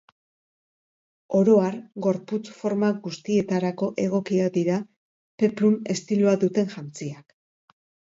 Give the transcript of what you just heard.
Oro har, gorputz forma guztietarako egokiak dira peplum estiloa duten jantziak.